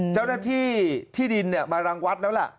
เจ้าหน้าที่ที่ดินมารังวัดแล้วล่ะ